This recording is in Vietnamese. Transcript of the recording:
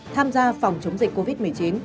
tham gia phòng chống dịch covid một mươi chín